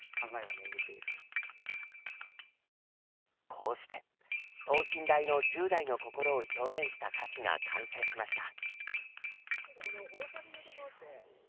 こうして等身大の１０代の心を表現した歌詞が完成しました。